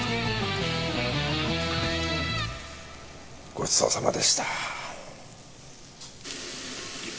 ごちそうさまでした。